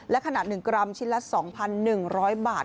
และขนาด๑กรัมชิ้นละ๒๑๐๐บาท